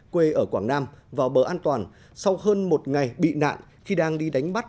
quê ở quảng nam vào bờ an toàn sau hơn một ngày bị nạn khi đang đi đánh bắt